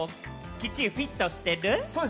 きっちりフィットしてる？